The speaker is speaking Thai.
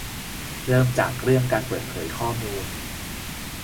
เริ่มจากเรื่องการเปิดเผยข้อมูล